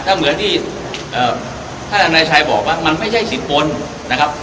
ถ้าเหมือนที่ท่านธนายชัยบอกว่ามันไม่ใช่๑๐คนนะครับ